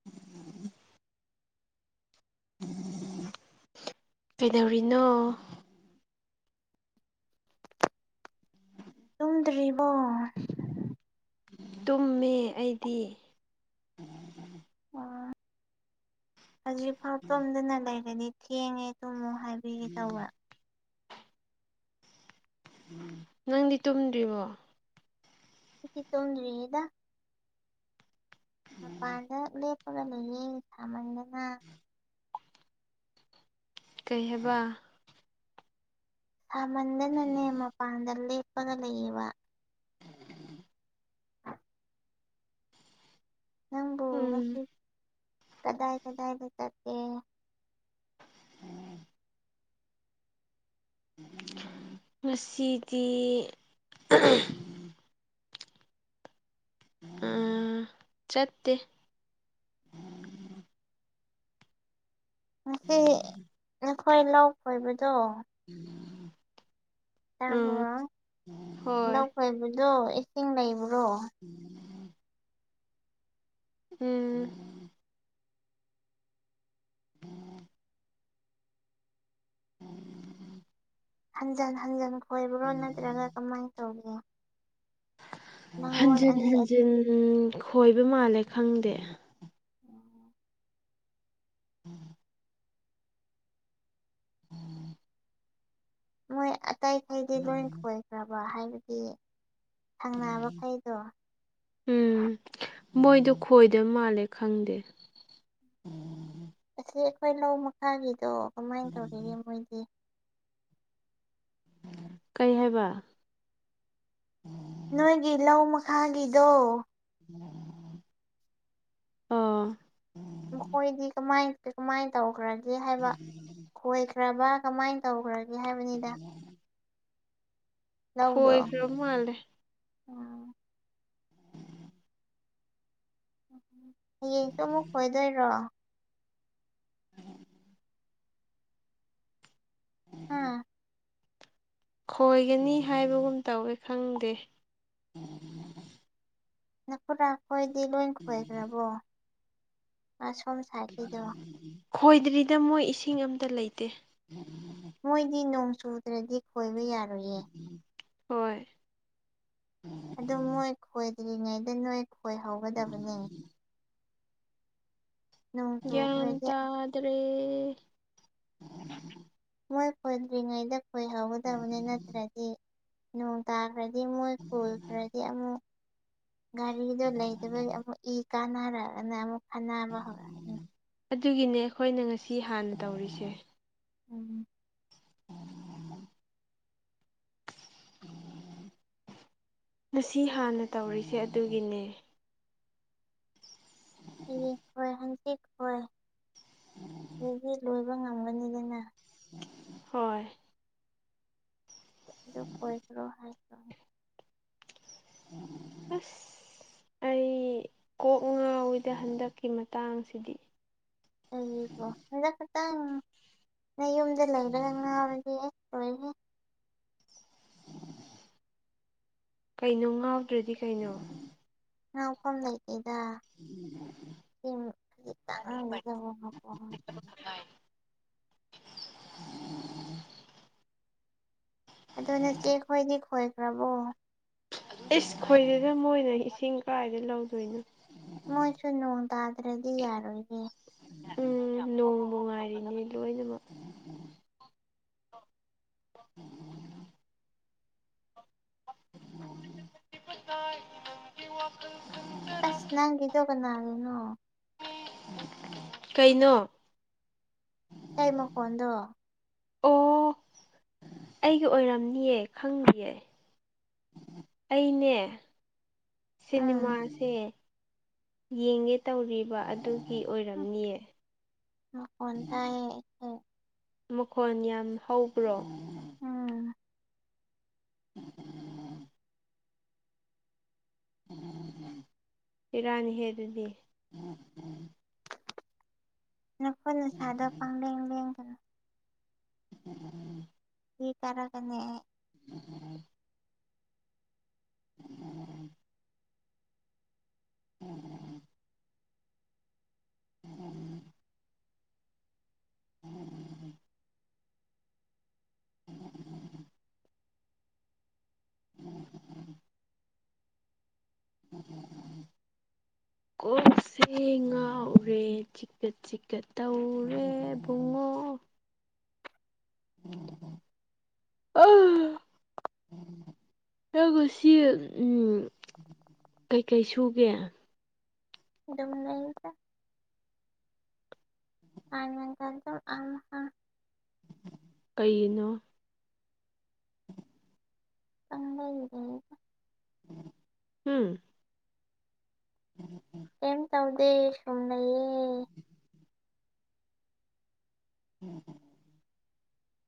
[unintelligible] ꯀꯩꯗꯧꯔꯤꯅꯣ ꯇꯨꯝꯗ꯭ꯔꯤꯕꯣ ꯇꯨꯝꯃꯦ ꯑꯩꯗꯤ ꯑꯣ ꯍꯧꯖꯤꯛꯐꯥꯎ ꯇꯣꯝꯗꯅ ꯂꯩꯔꯗꯤ ꯊꯦꯡꯉꯦ ꯇꯨꯝꯃꯨ ꯍꯥꯏꯕꯤꯒꯦ ꯇꯧꯕ ꯅꯪꯗꯤ ꯇꯨꯝꯗ꯭ꯔꯤꯕꯣ ꯇꯨꯝꯗ꯭ꯔꯤꯗ ꯃꯄꯥꯥꯟꯗ ꯂꯦꯞꯄꯒ ꯂꯩꯌꯦ ꯁꯥꯃꯟꯗꯅ ꯀꯩ ꯍꯥꯏꯕ ꯁꯥꯃꯟꯗꯅꯅꯦ ꯃꯄꯥꯟꯗ ꯂꯦꯞꯄꯒ ꯂꯩꯌꯦꯕ ꯅꯪꯕꯨ ꯎꯝ ꯉꯁꯤ ꯀꯗꯥꯏ ꯀꯗꯥꯏ ꯗ ꯆꯠꯀꯦ [inaudible] ꯉꯁꯤꯗꯤ [inaudible] ꯑ ꯆꯠꯇꯦ ꯉꯁꯤ ꯅꯈꯣꯏ ꯂꯥꯎ ꯈꯣꯏꯕꯗꯣ [inaudible] ꯇꯥꯕꯣ ꯎꯝ ꯍꯣꯏ ꯂꯧ ꯈꯣꯏꯕꯗꯣ ꯏꯁꯤꯡ ꯂꯩꯕ꯭ꯔꯣ [inaudible] ꯎꯝ ꯍꯟꯖꯟ ꯍꯟꯖꯟ ꯈꯣꯏꯕ꯭ꯔꯣ ꯅꯠꯇ꯭ꯔꯒ ꯀꯃꯥꯏꯅ ꯇꯧꯒꯦ ꯂꯥꯡꯒꯣꯜ ꯍꯟꯖꯤꯟ ꯑꯅꯤ ꯍꯟꯖꯤꯟ ꯈꯣꯏꯕ ꯃꯥꯜꯂꯦ ꯈꯪꯗꯦ [inaudible] [inaudible] ꯃꯣꯏ ꯑꯇꯩꯈꯩꯗꯤ ꯂꯣꯏ ꯈꯣꯏꯈ꯭ꯔꯕ ꯍꯥꯏꯕꯗꯤ ꯊꯪꯅꯕꯈꯩꯗꯣ ꯎꯝ ꯃꯣꯏꯗꯣ ꯈꯣꯏꯗꯕ ꯃꯥꯜꯂꯦ ꯈꯪꯗꯦ ꯑꯁꯤ ꯑꯩꯈꯣꯏ ꯂꯧ ꯃꯈꯥꯒꯤꯗꯣ ꯀꯃꯥꯏꯅ ꯇꯧꯔꯤꯒꯦ ꯃꯣꯏꯗꯤ ꯀꯩ ꯍꯥꯏꯕ ꯅꯣꯏꯒꯤ ꯂꯧ ꯃꯈꯥꯒꯤꯗꯣ [inaudible] ꯑꯥ ꯃꯈꯣꯏꯗꯤ ꯀꯃꯥꯏ ꯀꯃꯥꯏꯅ ꯇꯧꯈ꯭ꯔꯒꯦ ꯍꯥꯏꯕ ꯈꯣꯏ ꯈ꯭ꯔꯕ ꯀꯃꯥꯏꯅ ꯇꯧꯈ꯭ꯔꯒꯦ ꯍꯥꯏꯕꯅꯤꯗ ꯂꯧꯗꯣ ꯈꯣꯏꯈ꯭ꯔ ꯃꯥꯜꯂꯦ ꯎꯝ [inaudible] ꯍꯌꯦꯡꯁꯨ ꯑꯃꯨꯛ ꯈꯣꯏꯗꯣꯏꯔꯣ ꯑꯝ ꯈꯣꯏꯒꯅꯤ ꯍꯥꯏꯕꯒꯨꯝ ꯇꯧꯋꯦ ꯈꯪꯗꯦ ꯅꯈꯨꯨꯔꯥ ꯈꯣꯏꯗꯤ ꯂꯣꯏ ꯈꯣꯏꯈ꯭ꯔꯕꯣ ꯑꯁꯣꯝ ꯁꯥꯏꯠꯀꯤꯗꯣ ꯈꯣꯏꯗ꯭ꯔꯤꯗ ꯃꯣꯏ ꯏꯁꯤꯡ ꯑꯝꯇ ꯂꯩꯇꯦ ꯃꯣꯏꯗꯤ ꯅꯣꯡ ꯆꯨꯗ꯭ꯔꯗꯤ ꯈꯣꯏꯕ ꯌꯥꯔꯣꯏꯌꯦ ꯍꯣꯏ ꯑꯗꯨ ꯃꯣꯏ ꯈꯣꯏꯗ꯭ꯔꯤꯉꯩꯗ ꯅꯣꯏ ꯈꯣꯏꯍꯧꯒꯗꯕꯅꯦ ꯅꯣꯡ ꯒ꯭ꯌꯥꯟ ꯆꯨꯈ꯭ꯔꯗꯤ ꯇꯥꯗ꯭ꯔꯦ ꯃꯣꯏ ꯈꯣꯏꯗ꯭ꯔꯤꯉꯩꯗ ꯈꯣꯏꯍꯧꯒꯗꯕꯅꯤ ꯅꯠꯇ꯭ꯔꯗꯤ ꯅꯣꯡ ꯇꯥꯈ꯭ꯔꯗꯤ ꯃꯣꯏ ꯄꯨꯜꯈ꯭ꯔꯗꯤ ꯑꯃꯨꯛ ꯒꯥꯔꯤꯗꯣ ꯂꯩꯇꯕꯒꯤ ꯑꯃꯨꯛ ꯀꯥꯟꯅꯔꯛꯑꯒꯅ ꯑꯃꯨꯛ ꯈꯠꯅꯕ ꯍꯧꯔꯛꯑꯅꯤ ꯑꯗꯨꯒꯤꯅꯦ ꯑꯩꯈꯣꯏꯅ ꯉꯁꯤ ꯍꯥꯟꯅ ꯇꯧꯔꯤꯁꯦ ꯎꯝ ꯉꯁꯤ ꯍꯥꯟꯅ ꯇꯧꯔꯤꯁꯦ ꯑꯗꯨꯒꯤꯅꯦ ꯍꯌꯦꯡ ꯍꯣꯏ ꯍꯪꯆꯤꯠ ꯍꯣꯏ ꯍꯧꯆꯤꯠ ꯂꯣꯏꯕ ꯉꯝꯒꯅꯤꯗꯅ ꯍꯣꯏ [unintelligible] ꯑꯁ [unintelligible] ꯑꯩ ꯀꯣꯛ ꯉꯥꯎꯋꯤꯗ ꯍꯟꯗꯛꯀꯤ ꯃꯇꯥꯡꯁꯤꯗꯤ ꯑꯗꯨꯀꯣ ꯍꯟꯗꯛ ꯈꯛꯇꯪ ꯅꯌꯨꯝꯗ ꯂꯩꯕꯗ ꯉꯥꯎꯔꯗꯤ ꯑꯦ ꯂꯣꯏꯔꯦ ꯀꯩꯅꯣ ꯉꯥꯎꯗ꯭ꯔꯗꯤ ꯀꯩꯅꯣ [unintelligible] ꯂꯩꯇꯦꯗ [unintelligible] ꯑꯗꯨ ꯅꯆꯦꯈꯣꯏꯗꯤ ꯈꯣꯏꯈ꯭ꯔꯕꯣ ꯏꯁ ꯈꯣꯏꯗꯦꯗ ꯃꯣꯏꯅ ꯏꯁꯤꯡ ꯀꯔꯥꯏꯗꯩꯩ ꯂꯧꯗꯣꯏꯅꯣ ꯃꯣꯏꯁꯨ ꯅꯣꯡ ꯇꯥꯗ꯭ꯔꯗꯤ ꯌꯥꯔꯣꯏꯅꯦ ꯎꯝ ꯅꯣꯡꯕꯨ ꯉꯥꯏꯔꯤꯅꯦ ꯂꯣꯏꯅꯃꯛ [inaudible] [inaudible] ꯑꯁ ꯅꯪꯒꯤꯗꯣ ꯀꯅꯥꯒꯤꯅꯣ ꯀꯩꯅꯣ [inaudible] ꯃꯈꯣꯟꯗꯣ ꯑꯣ ꯑꯩꯒꯤ ꯑꯣꯏꯔꯝꯅꯤꯌꯦ ꯈꯪꯗꯤꯌꯦ ꯑꯩꯅꯦ ꯎꯝ ꯁꯤꯅꯤꯃꯥꯁꯦ ꯌꯦꯡꯒꯦ ꯇꯧꯔꯤꯕ ꯑꯗꯨ ꯒꯤ ꯑꯣꯏꯔꯝꯅꯤꯌꯦ ꯃꯈꯣꯟ ꯇꯥꯏꯌꯦ ꯑꯩꯁꯦ ꯃꯈꯣꯟ ꯌꯥꯝ ꯍꯧꯕ꯭ꯔꯣ ꯎꯝ ꯕꯦꯔꯥꯅꯤꯍꯦ ꯗꯨꯗꯤ ꯅꯈꯨꯠ ꯅꯁꯥꯗꯣ ꯄꯪꯂꯦꯡ ꯂꯦꯡꯒꯅꯣ [inaudible] ꯏ ꯀꯥꯔꯛꯀꯅꯤ ꯑꯩ [inaudible] [inaudible] [inaudible] [inaudible] ꯀꯣꯛꯁꯦ ꯉꯥꯎꯔꯦ ꯆꯤꯛꯀꯦ ꯆꯤꯛꯀ ꯇꯧꯔꯦ ꯕꯨꯡꯉꯣ [inaudible] ꯅꯪ ꯉꯁꯤ ꯎꯝ ꯀꯩꯀꯩ ꯁꯨꯒꯦ ꯗꯨꯝ ꯂꯩꯗ [unintelligible] ꯀꯩꯒꯤꯅꯣ [unintelligible] ꯎꯝ [inaudible] ꯀꯩꯝ ꯇꯧꯗꯦ ꯁꯨꯝ ꯂꯩꯌꯦ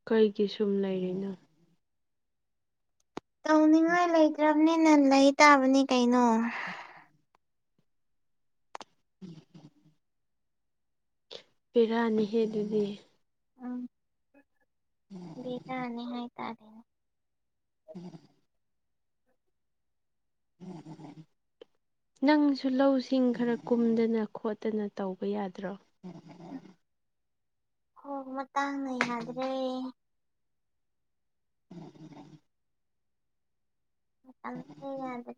ꯀꯩꯒꯤ ꯁꯨꯝ ꯂꯩꯔꯤꯅꯣ ꯇꯧꯅꯤꯡꯉꯥꯏ ꯂꯩꯇ꯭ꯔꯕꯅꯤ ꯅꯩ ꯇꯥꯕꯅꯤ ꯀꯩꯅꯣ [inaudible] ꯄꯦꯔꯥꯅꯤꯍꯦ ꯗꯨꯗꯤ ꯕ‌ꯦꯔꯥꯅꯤ ꯍꯥꯏ ꯇꯥꯔꯦꯅ‌ꯦ [inaudible] [inaudible] ꯅꯪꯁꯨ ꯂꯧꯁꯤꯡ ꯈꯔ ꯀꯨꯝꯗꯅ ꯈꯣꯠꯇꯅ ꯇꯧꯕ ꯌꯥꯗ꯭ꯔꯣ ꯍꯣ ꯃꯇꯥꯡꯅ ꯌꯥꯗ꯭ꯔꯦ ꯃꯇꯥꯡꯁ‍ꯦ ꯌꯥꯗ꯭ꯔꯦ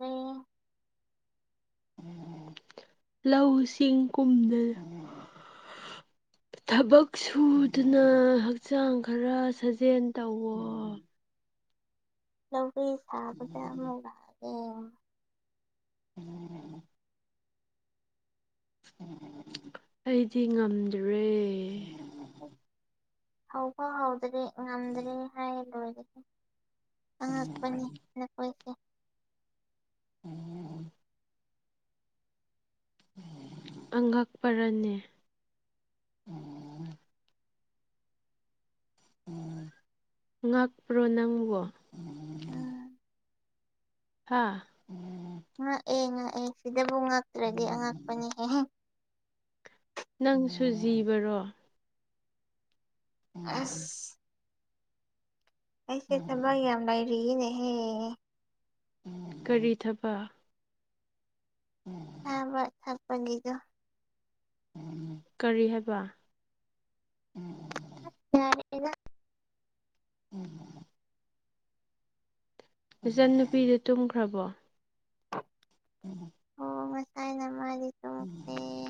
ꯂꯧꯁꯤꯡ ꯀꯨꯝꯗꯅ ꯊꯕꯛ ꯁꯨꯗꯨꯅ ꯍꯛꯆꯥꯡ ꯈꯔ ꯁꯥꯖꯦꯜ ꯇꯧꯑꯣ ꯂꯧꯒꯩ ꯁꯥꯕꯗ ꯑꯃꯨꯛ [unintelligible] ꯎꯝ ꯑꯩꯗꯤ ꯉꯝꯗ꯭ꯔꯦ ꯍꯧꯐꯥꯎ ꯍꯧꯗꯔꯤ ꯉꯝꯗ꯭ꯔꯦ ꯍꯥꯏ ꯂꯣꯏꯔꯦ ꯑꯉꯛꯄꯅꯤ ꯅꯈꯣꯏꯁꯦ [inaudible] ꯑꯉꯛꯄ꯭ꯔꯅꯦ ꯉꯛꯄ꯭ꯔꯣ ꯅꯪꯕꯣ ꯑꯥ ꯍꯥꯥ ꯉꯛꯑꯦ ꯉꯛꯑꯦ ꯁꯤꯗꯕꯨ ꯉꯛꯇ꯭ꯔꯗꯤ ꯑꯉꯛꯄꯅꯦꯍꯦ ꯅꯪꯁꯨ ꯖꯤꯕꯔꯣ ꯑꯁ ꯑꯩꯁꯦ ꯊꯕꯛ ꯌꯥꯝ ꯂꯩꯥꯔꯤꯅꯦꯍꯦ ꯀꯔꯤ ꯊꯕꯛ ꯎꯝ ꯆꯥꯕ ꯊꯛꯄꯅꯤꯗꯣ ꯀꯔꯤ ꯍꯥꯏꯕ ꯑꯁ‌ ꯌꯥꯔꯦꯗ ꯎꯝ ꯃꯆꯟꯅꯨꯄꯤꯗꯨ ꯇꯨꯝꯈ꯭ꯔꯕꯣ ꯑꯣ ꯃꯁꯥꯏꯅ ꯃꯥꯗꯤ ꯇꯨꯝ ꯎꯝ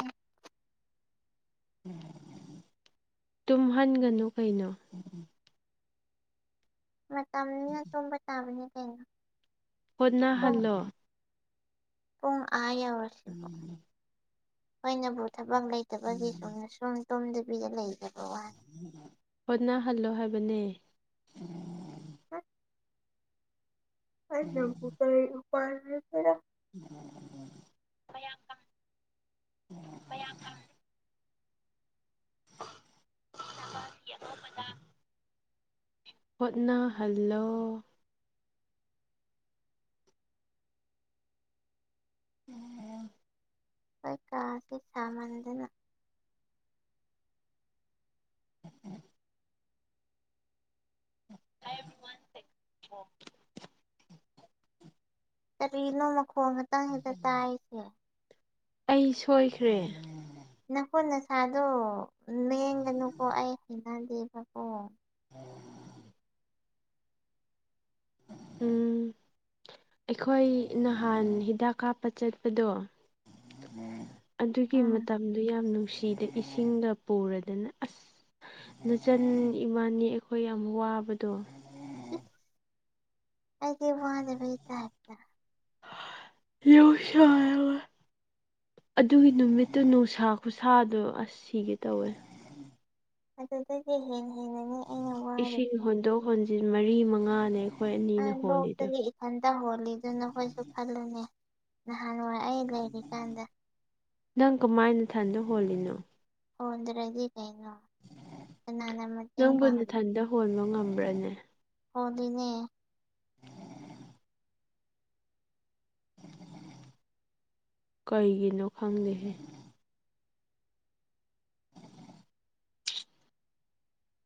ꯇꯨꯝꯍꯟꯒꯅꯨ ꯀꯩꯅꯣ ꯃꯇꯝꯅꯤꯅ ꯇꯨꯝꯕ ꯇꯥꯕꯅꯤ ꯀꯩꯅꯣ ꯄꯨꯡ ꯍꯣꯠꯅꯍꯜꯂꯣ ꯄꯨꯡ ꯑꯥ ꯌꯧꯔꯁꯤꯕꯨ ꯑꯩꯣꯏꯅꯕꯨ ꯊꯕꯛ ꯂꯩꯇꯕꯒꯤ ꯆꯨꯝꯅ ꯁꯨꯝ ꯇꯨꯝꯗꯕꯤꯗ ꯂꯩꯖꯕꯩ ꯋꯥꯅꯤ ꯍꯣꯠꯅꯍꯜꯂꯣ ꯍꯥꯏꯕꯅꯦ ꯍꯥ ꯑꯩꯅꯕꯨ ꯀꯔꯤ ꯎꯄꯥꯏ ꯂꯩꯒꯦꯔꯥ [unintelligible] [unintelligible] ꯍꯣꯠꯅꯍꯜꯂꯣ [unintelligible] ꯑꯩꯈꯣꯏ ꯀꯥꯁꯦ ꯁꯥꯃꯟꯗꯅ ꯅꯥꯏꯟ ꯑꯥꯟ ꯁꯤꯛꯁ ‌ꯐꯣꯔ ꯀꯔꯤꯅꯣ ꯃꯈꯣꯜ [unintelligible] ꯇꯥꯏꯁꯦ ꯑꯩ ꯁꯣꯏꯈ꯭ꯔꯦ ꯅꯈꯨꯠ ꯅꯁꯥꯗꯣ ꯂꯦꯡꯒꯅꯨꯀꯣ ꯑꯩ ꯍꯩꯅꯗꯦꯕꯀꯣ ꯎꯝ ꯑꯩꯈꯣꯏ ꯅꯍꯥꯟ ꯍꯤꯗꯥꯛ ꯀꯥꯞꯄ ꯆꯠꯄꯗꯣ ꯑꯗꯨꯒꯤ ꯎꯝ ꯃꯇꯝꯗꯨ ꯌꯥꯝ ꯅꯨꯡꯁꯤꯗ ꯏꯁꯤꯡꯒ ꯄꯨꯔꯗꯅ ꯑꯁ ꯅꯆꯟ ꯏꯃꯥꯅꯤ ꯑꯩꯈꯣꯏ ꯌꯥꯝ ꯋꯥꯕꯗꯣ ꯑꯩꯗꯤ ꯋꯥꯗꯕꯩ ꯇꯥꯏꯞꯇ [unintelligible] ꯑꯗꯨꯒꯤ ꯅꯨꯃꯤꯠꯇꯨ ꯅꯨꯡꯁꯥ ꯈꯨꯁꯥꯗꯣ ꯑꯁ ꯁꯤꯒꯦ ꯇꯧꯋꯦ ꯑꯗꯨꯗꯒꯤ ꯍꯦꯟ ꯍꯦꯟꯅꯅꯤ ꯑꯩꯅ ꯏꯁꯤꯡ ꯋꯥꯔꯤꯁꯦ ꯍꯣꯟꯗꯣꯛ ꯍꯣꯟꯖꯤꯟ ꯃꯔꯤ ꯃꯉꯥꯅꯦ ꯑꯩꯈꯣꯏ ꯑꯅꯤꯅ ꯍꯣꯜꯂꯤꯗꯣ ꯑꯅꯣꯛꯇꯒꯤ ꯊꯟꯇ ꯍꯣꯜꯂꯤꯗꯨ ꯅꯈꯣꯏꯁꯨ ꯈꯜꯂꯨꯅꯦ ꯅꯍꯥꯟꯋꯥꯏ ꯑꯩ ꯂꯩꯔꯤꯀꯥꯟꯗ ꯅꯪ ꯀꯃꯥꯏ ꯅꯊꯟꯗ ꯍꯣꯜꯂꯤꯅꯣ ꯍꯣꯟꯗ꯭ꯔꯗꯤ ꯀꯩꯅꯣ ꯀꯅꯥꯅ ꯃꯇꯦꯡ ꯅꯪꯕꯨ ꯄꯥꯡꯕꯤ ꯟꯊꯟꯗ ꯍꯣꯟꯕ ꯉꯝꯕ꯭ꯔꯥꯅꯦ ꯍꯣꯜꯂꯤꯅꯦ ꯀꯩꯒꯤꯅꯣ ꯈꯪꯗꯦꯍꯦ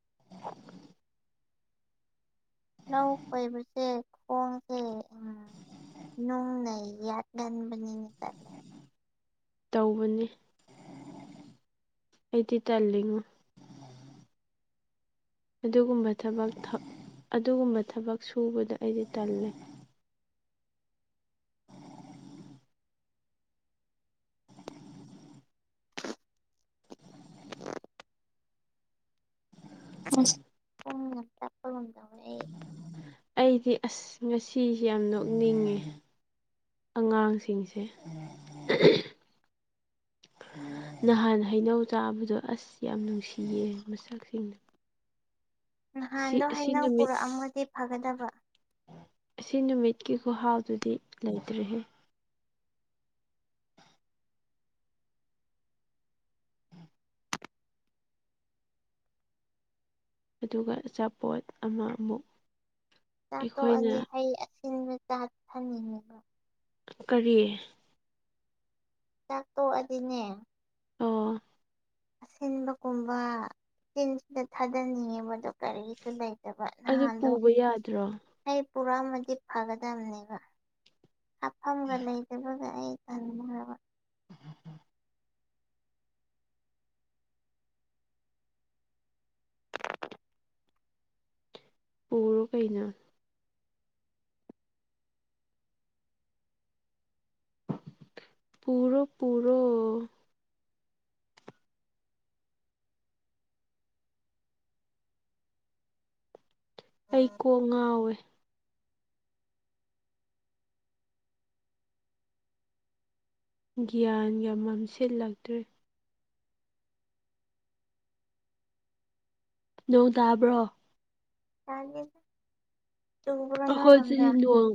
[inaudible] ꯂꯧ ꯀꯣꯏꯕꯁꯦ ꯈꯣꯡꯁꯦ ꯎꯝ ꯅꯣꯡꯅ ꯌꯥꯠꯒꯟꯕꯅꯤꯅꯦ ꯇꯜꯂꯤ ꯇꯧꯕꯅꯤ ꯑꯩꯗꯤ ꯇꯜꯂꯤꯉꯣ ꯑꯗꯨꯒꯨꯝꯕ ꯊꯕꯛ ꯊ ꯑꯗꯨꯒꯨꯝꯕ ꯊꯕꯛ ꯁꯨꯕꯗ ꯑꯩꯗꯤ ꯇꯜꯂꯤ [inaudible] [unintelligible] ꯑꯩꯗꯤ ꯑꯁ ꯉꯁꯤꯁꯦ ꯌꯥꯝ ꯅꯣꯛꯅꯤꯡꯉꯦ ꯑꯉꯥꯡꯁꯤꯡꯁꯦ ꯅꯍꯥꯟ ꯍꯩꯅꯧ ꯆꯥꯕꯗꯣ ꯑꯁ ꯌꯥꯝ ꯅꯨꯡꯁꯤꯌꯦ ꯃꯁꯛꯁꯤꯡꯗꯣ ꯁꯤ ꯅꯍꯥꯟꯗꯣ ꯑꯁꯤ ꯍꯩꯅꯧ ꯅꯨꯃꯤꯠ ꯄꯨꯔꯛꯑꯝꯃꯗꯤ ꯐꯒꯗꯕ ꯑꯁꯤ ꯅꯨꯃꯤꯠꯀꯤ ꯈꯨꯍꯥꯎꯗꯨꯗꯤ ꯂꯩꯇ꯭ꯔꯦꯍꯦ ꯑꯗꯨꯒ ꯑꯆꯥꯄꯣꯠ ꯑꯃ ꯑꯃꯨꯛ ꯑꯩꯈꯣꯏꯅ ꯆꯥꯊꯣꯛꯑꯅꯤ ꯍꯩ ꯑꯁꯤꯅꯕ ꯆꯥ ꯊꯟꯅꯤꯡꯉꯤꯕ ꯀꯔꯤ ꯆꯥꯛ ꯇꯣꯛꯑꯗꯤꯅꯦ ꯑꯣ ꯑꯁꯤꯟꯕꯀꯨꯝꯕ ꯆꯤꯟꯁꯤꯗ ꯊꯥꯗꯅꯤꯡꯉꯦꯕꯗꯣ ꯀꯔꯤꯁꯨ ꯂꯩꯇꯕ ꯑꯗꯨ ꯅꯍꯥꯟꯗꯣ ꯄꯨꯕ ꯌꯥꯗ꯭ꯔꯣ ꯍꯩ ꯄꯨꯔꯛꯑꯝꯃꯗꯤ ꯐꯒꯗꯝꯅꯦꯕ ꯑꯐꯪꯕ ꯂꯩꯗꯅ ꯑꯩ ꯇꯟꯒ꯭ꯔꯕ [inaudible] ꯄꯨꯔꯣ ꯀꯩꯅꯣ ꯄꯨꯔꯣ ꯄꯨꯔꯣ ꯑꯩ ꯀꯣꯛ ꯉꯥꯎꯋꯦ ꯒ꯭ꯌꯥꯟꯒ ꯃꯝꯁꯤꯜꯂꯛꯇ꯭ꯔꯦ ꯅꯣꯡ ꯇꯥꯕ꯭ꯔꯣ ꯇꯥꯗꯦꯗ ꯑꯈꯣꯏ ꯆꯍꯤ ꯅꯣꯡ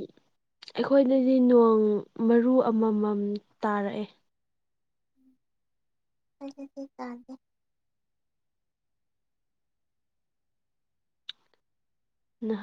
ꯑꯩꯈꯣꯏꯗꯗꯤ ꯅꯣꯡ ꯃꯔꯨ ꯑꯃꯃꯝ ꯇꯥꯔꯛꯑꯦ ꯗꯥꯗꯤ ꯇꯥꯗꯦ ꯅꯍꯥꯟ